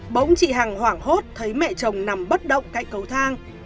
bỗng chị hằng hoảng hốt thấy mẹ chồng nằm bất động cạnh cầu thang